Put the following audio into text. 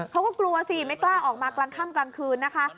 เขาก็กลัวสิไม่กล้าออกมากลางค่ำกลางคืนนะคะ